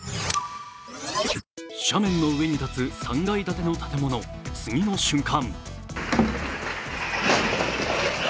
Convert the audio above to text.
斜面の上に立つ３階建ての建物、次の瞬間。